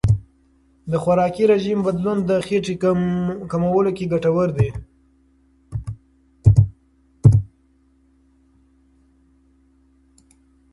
د خوراکي رژیم بدلون د خېټې کمولو کې ګټور دی.